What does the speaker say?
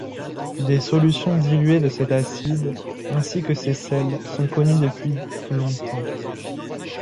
Des solutions diluées de cet acide, ainsi que ces sels, sont connues depuis longtemps.